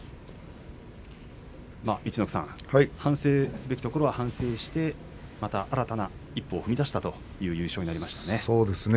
陸奥さん反省すべきところは反省してまた新たな一歩を踏み出したという優勝になりましたね。